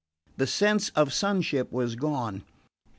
The sense of sonship was gone.